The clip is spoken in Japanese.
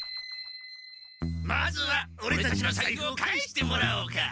まずはオレたちのさいふを返してもらおうか。